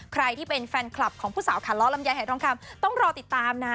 ใครที่เป็นแฟนคลับของผู้สาวขาล้อลำไยหายทองคำต้องรอติดตามนะ